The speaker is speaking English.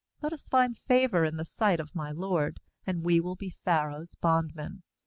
Let us find favour in the sight of my lord, and we will be Pharaoh's bond men.'